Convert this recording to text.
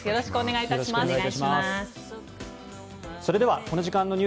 よろしくお願いします。